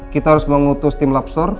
kita harus mengutus tim lobsor